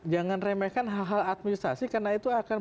jangan remehkan hal hal administrasi karena itu akan